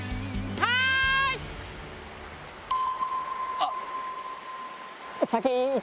あっ。